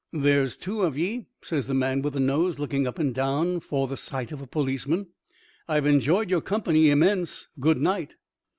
"There's two of ye," says the man with the nose, looking up and down for the sight of a policeman. "I've enjoyed your company immense. Good night."